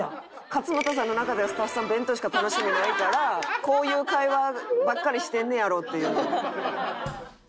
勝俣さんの中ではスタッフさん弁当しか楽しみないからこういう会話ばっかりしてんねやろっていう。